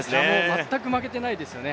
全く負けてないですよね。